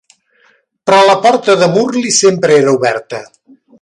Però la porta de Murli sempre era oberta.